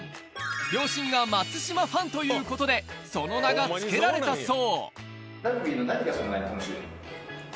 両親が松島ファンということでその名が付けられたそう。